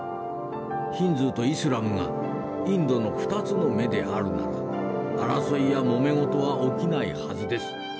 ヒンズーとイスラムがインドの２つの目であるなら争いやもめ事は起きないはずです。